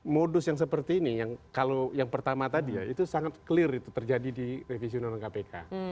modus yang seperti ini yang kalau yang pertama tadi ya itu sangat clear itu terjadi di revisi undang undang kpk